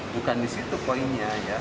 bukan di situ poinnya ya